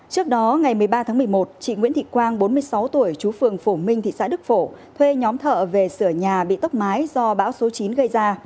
trước đó ngày một mươi ba tháng một mươi một chị nguyễn thị quang bốn mươi sáu tuổi chú phường phổ minh thị xã đức phổ thuê nhóm thợ về sửa nhà bị tốc mái do bão số chín gây ra